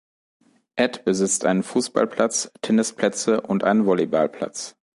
Edt besitzt einen Fußballplatz, Tennisplätze und einen Volleyballplatz.